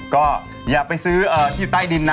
ก็อย่าไปซื้อที่อยู่ใต้ดินนะ